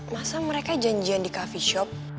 masa mereka janjian di coffee shop